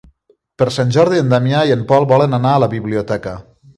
Per Sant Jordi en Damià i en Pol volen anar a la biblioteca.